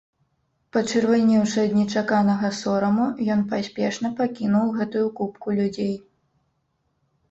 Пачырванеўшы ад нечаканага сораму, ён паспешна пакінуў гэтую купку людзей.